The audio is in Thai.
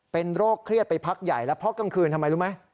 เป็นโรคเครียดไปพักใหญ่แล้วเพราะกลางคืนทำไมรู้ไหม